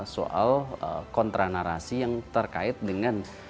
soal kontranarasi yang terkait dengan